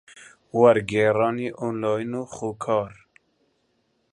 وەرگێڕانی ئۆنلاین و خۆکار